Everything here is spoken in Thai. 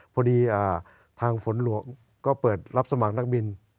พอดีทางฝนหลวงก็เปิดรับสมัครนักบิน